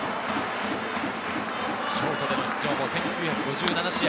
ショートでの出場も１９５７試合。